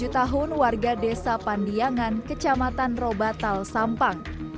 tujuh tahun warga desa pandiangan kecamatan robatal sampang